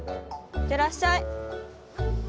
いってらっしゃい。